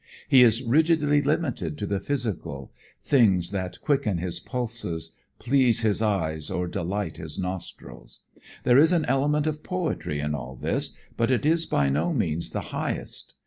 He is rigidly limited to the physical, things that quicken his pulses, please his eyes or delight his nostrils. There is an element of poetry in all this, but it is by no means the highest.